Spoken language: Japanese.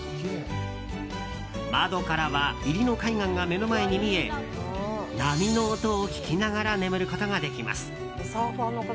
窓からは入野海岸が目の前に見え波の音を聞きながら眠ることができます。